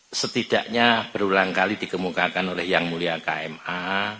itu setidaknya berulang kali dikemukakan oleh yang mulia kma